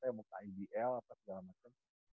saya mau kidl atau segala macam